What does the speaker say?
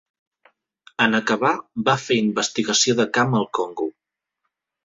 En acabar, va fer investigació de camp al Congo.